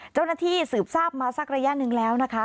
เจ้าหน้าที่สืบทราบมาสักระยะหนึ่งแล้วนะคะ